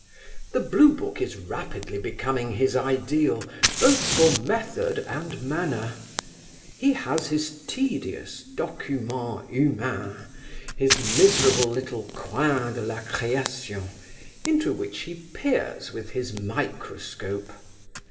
The Blue Book is rapidly becoming his ideal both for method and manner. He has his tedious document humain, his miserable little coin de la création, into which he peers with his microscope.